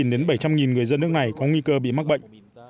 đến bảy trăm linh người dân nước này có nguy cơ bị mắc bệnh